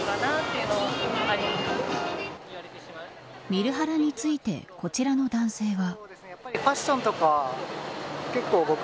見るハラについてこちらの男性は。